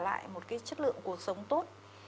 để trả lại một cái chất lượng cuộc sống tốt